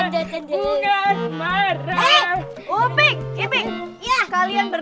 tanda tandanya bunga asmara